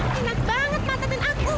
kenak banget mancatin aku